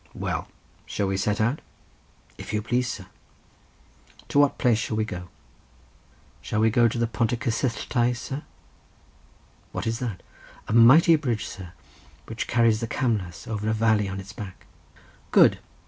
"Well, shall we set out?" "If you please, sir." "To what place shall we go?" "Shall we go to the Pont y Cyssylltau, sir?" "What is that?" "A mighty bridge, sir, which carries the Camlas over a valley on its back." "Good!